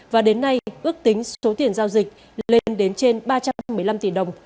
và đến nay ước tính số tiền giao dịch lên đến trên ba trăm một mươi năm tỷ đồng